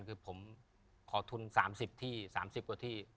คือผมขอทุน๓๐ที่๓๐กว่าที่